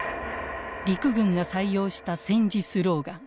陸軍が採用した戦時スローガン